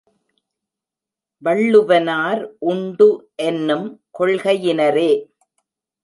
வள்ளுவனார் உண்டு என்னும் கொள்கையினரே.